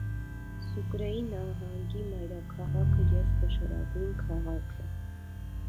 Սուկրեի նահանգի մայրաքաղաքը և խոշորագույն քաղաքը։